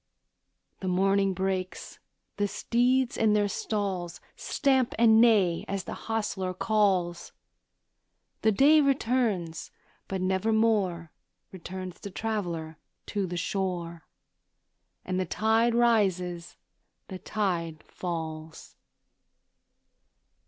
The morning breaks; the steeds in their stalls Stamp and neigh, as the hostler calls; The day returns, but nevermore Returns the traveller to the shore, And the tide rises, the tide falls.